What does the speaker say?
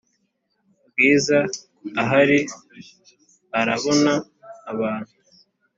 bwiza ahari arabona abantu